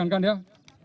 lama jepang jepang